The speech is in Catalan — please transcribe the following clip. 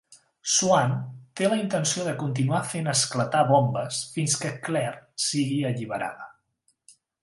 Swan té la intenció de continuar fent esclatar bombes fins que Claire sigui alliberada.